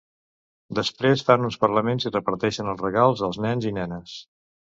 Després fan uns parlaments i reparteixen els regals als nens i nenes.